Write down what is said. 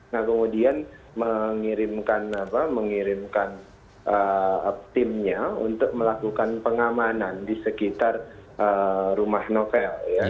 nah kemudian mengirimkan timnya untuk melakukan pengamanan di sekitar rumah novel